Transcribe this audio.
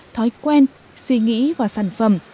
thói quen suy nghĩ vào sản phẩm